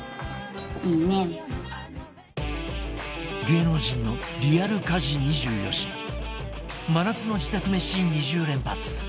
芸能人のリアル家事２４時真夏の自宅めし２０連発！